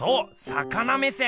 魚目線！